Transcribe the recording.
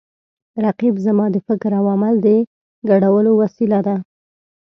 رقیب زما د فکر او عمل د ګډولو وسیله ده